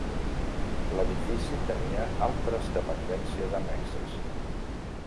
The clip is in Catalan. L'edifici tenia altres dependències annexes.